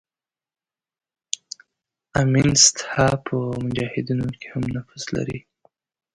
امینست ها په مجاهدینو کې هم نفوذ لري.